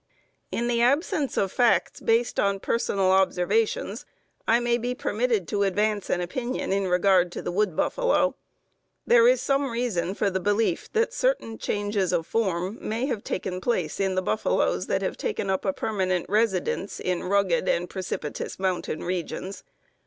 In the absence of facts based on personal observations, I may be permitted to advance an opinion in regard to the wood buffalo. There is some reason for the belief that certain changes of form may have taken place in the buffaloes that have taken up a permanent residence in rugged and precipitous mountain regions.